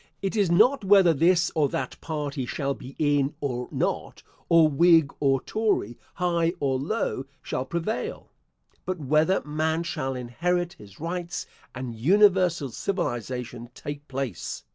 It is not whether this or that party shall be in or not, or Whig or Tory, high or low shall prevail; but whether man shall inherit his rights, and universal civilisation take place?